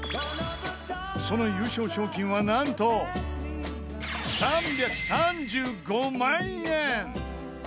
その優勝賞金はなんと３３５万円！